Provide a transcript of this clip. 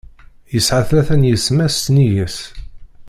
Yesεa tlata n yisetma-s sennig-s.